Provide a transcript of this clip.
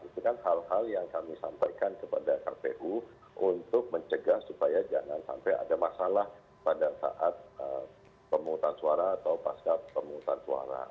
itu kan hal hal yang kami sampaikan kepada kpu untuk mencegah supaya jangan sampai ada masalah pada saat pemungutan suara atau pasca pemungutan suara